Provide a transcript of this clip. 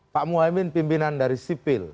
pak muhaymin pimpinan dari sipil